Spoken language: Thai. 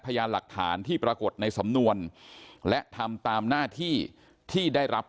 พยานหลักฐานที่ปรากฏในสำนวนและทำตามหน้าที่ที่ได้รับ